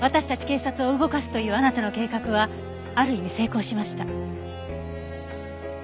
警察を動かすというあなたの計画はある意味成功しました。